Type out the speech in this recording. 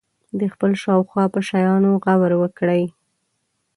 د خپل شاوخوا په شیانو غور وکړي.